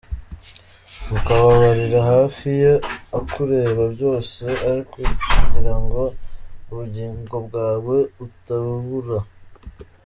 Ukababarira hafi ye akureba, byose ari ukugira ngo ubugingo bwawe atabubura.